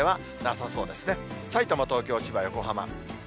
さいたま、東京、千葉、横浜。